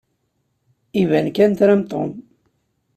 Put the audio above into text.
Iban kan tram Tom.